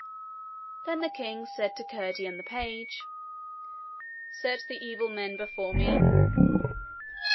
Then the king said to Curdie and the page: 'Set the evil men before me.'